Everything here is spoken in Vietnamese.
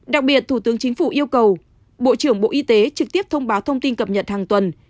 đặc biệt thủ tướng chính phủ yêu cầu bộ trưởng bộ y tế trực tiếp thông báo thông tin cập nhật hàng tuần